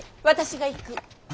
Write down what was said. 私が行く。